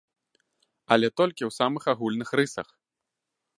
Але толькі ў самых агульных рысах!